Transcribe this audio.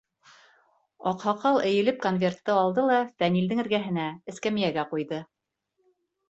Аҡһаҡал эйелеп конвертты алды ла Фәнилдең эргәһенә, эскәмйәгә, ҡуйҙы.